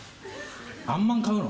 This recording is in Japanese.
あんまん買うの？